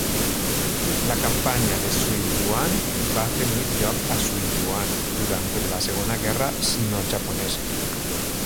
La Campanya de Suiyuan va tenir lloc a Suiyuan durant la Segona Guerra sinojaponesa.